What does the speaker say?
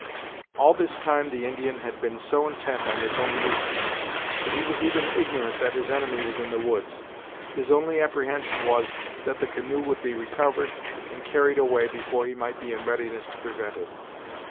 All this time the Indian had been so intent on his own movements, that he was even ignorant that his enemy was in the woods. His only apprehension was, that the canoe would be recovered and carried away before he might be in readiness to prevent it.